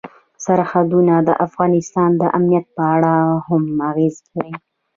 سرحدونه د افغانستان د امنیت په اړه هم اغېز لري.